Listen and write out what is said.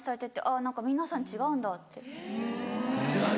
あっ何か皆さん違うんだって。